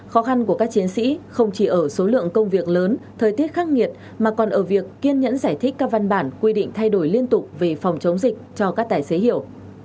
khó khăn của các chiến sĩ không chỉ ở số lượng công việc lớn thời tiết khắc nghiệt mà còn ở việc kiên nhẫn giải thích các văn bản quy định thay đổi liên tục về phòng chống dịch cho các tài xế hiểu